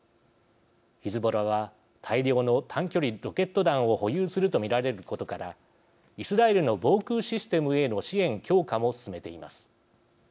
ヒズボラは大量の短距離ロケット弾を保有すると見られることからイスラエルの防空システムへの支援強化も進めています。